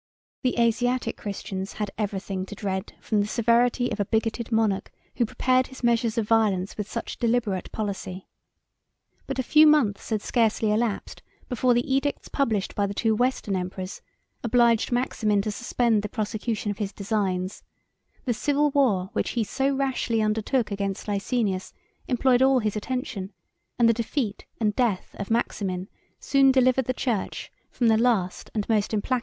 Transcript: —M.] The Asiatic Christians had every thing to dread from the severity of a bigoted monarch who prepared his measures of violence with such deliberate policy. But a few months had scarcely elapsed before the edicts published by the two Western emperors obliged Maximin to suspend the prosecution of his designs: the civil war which he so rashly undertook against Licinius employed all his attention; and the defeat and death of Maximin soon delivered the church from the last and most implacable of her enemies.